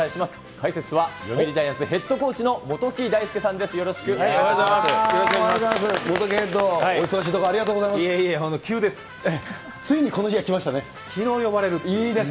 解説は読売ジャイアンツヘッドコーチの元木大介さんです。